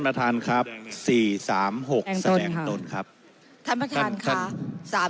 ท่านครับสี่สามหกแสดงตนครับท่านประธานค่ะ